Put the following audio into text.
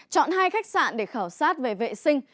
chọn hai khách sạn để khảo sát về vệ sinh